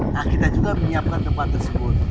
nah kita juga menyiapkan tempat tersebut